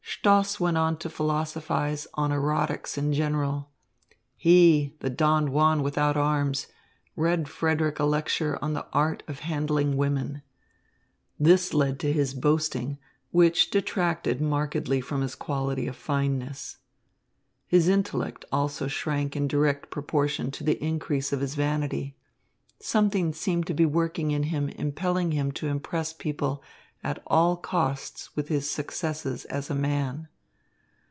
Stoss went on to philosophise on erotics in general. He, the Don Juan without arms, read Frederick a lecture on the art of handling women. This led to his boasting, which detracted markedly from his quality of fineness. His intellect also shrank in direct proportion to the increase of his vanity. Something seemed to be working in him impelling him to impress people at all costs with his successes as a man.